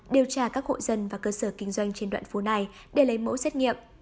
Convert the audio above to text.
điều tra các hộ dân và cơ sở kinh doanh trên đoạn phố này để lấy mẫu xét nghiệm